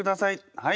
はい。